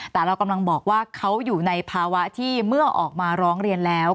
แต่เรากำลังบอกว่าเขาอยู่ในภาวะที่เมื่อออกมาร้องเรียนแล้ว